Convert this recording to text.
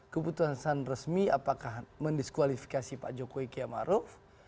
keputusan resmi apakah mendiskualifikasi pak jokowi kiamaruf